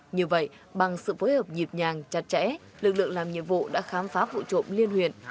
như vậy bằng sự phối hợp nhịp nhàng chặt chẽ lực lượng làm nhiệm vụ đã khám phá vụ trộm liên huyện